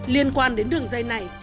liên quan đến đường dây này